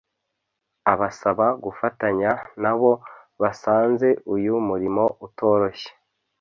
abasaba gufatanya n’abo basanze uyu murimo utoroshye